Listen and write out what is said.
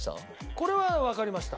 これはわかりました。